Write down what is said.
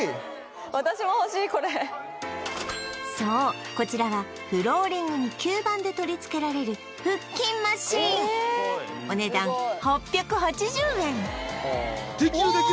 これそうこちらはフローリングに吸盤で取り付けられるお値段８８０円